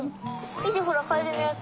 みてほらカエルのやつ。